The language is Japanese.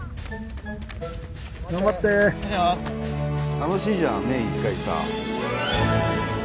楽しいじゃん年１回さ。